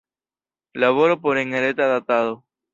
Laboro por enreta datado.